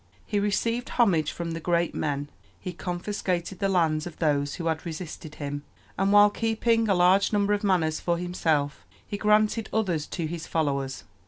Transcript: He received homage from the great men; he confiscated the lands of those who had resisted him; and, while keeping a large number of manors for himself, he granted others to his followers.